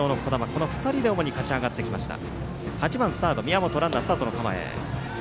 この２人で主に勝ち上がってきました。